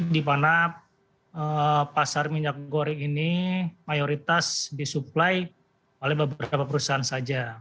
di mana pasar minyak goreng ini mayoritas disuplai oleh beberapa perusahaan saja